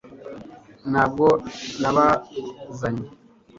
ntabwo nabazanye